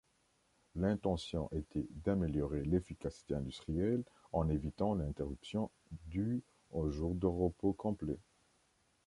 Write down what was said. L'intention était d'améliorer l'efficacité industrielle en évitant l'interruption due au jour de repos complet.